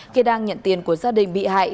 khi đang nhận tiền của gia đình bị hại